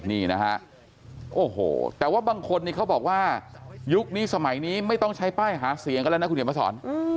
นี่นะฮะโอ้โหแต่ว่าบางคนนี่เขาบอกว่ายุคนี้สมัยนี้ไม่ต้องใช้ป้ายหาเสียงกันแล้วนะคุณเขียนมาสอน